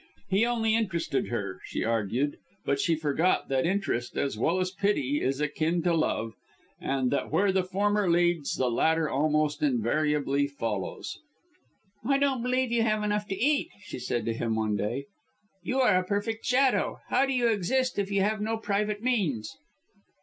He only interested her, she argued; but she forgot that interest as well as pity is akin to love and that where the former leads, the latter almost invariably follows. "I don't believe you have enough to eat," she said to him one day. "You are a perfect shadow. How do you exist if you have no private means?"